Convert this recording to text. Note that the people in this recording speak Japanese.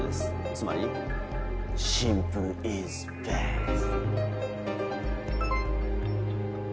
つまりシンプルイズベスト。